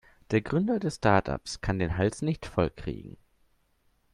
Der Gründer des Startups kann den Hals nicht voll kriegen.